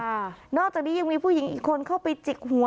นอกจากนี้ยังมีผู้หญิงอีกคนเข้าไปจิกหัว